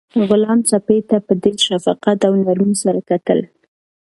غلام سپي ته په ډېر شفقت او نرمۍ سره کتل.